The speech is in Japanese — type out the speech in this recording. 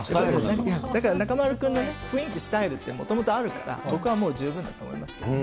だから中丸君のね、雰囲気、スタイルってもともとあるから、僕はもう十分だと思いますけどね。